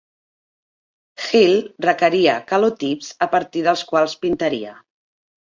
Hill requeria calotips a partir dels quals pintaria.